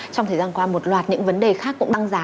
trong thời gian qua một loạt những vấn đề khác cũng tăng giá